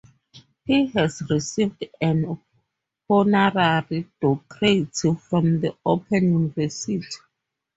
He has received an honorary doctorate from the Open University.